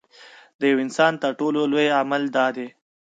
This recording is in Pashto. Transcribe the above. د یوه انسان تر ټولو لوی عمل دا دی.